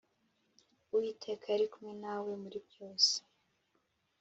Uwiteka yari kumwe na we muribyose.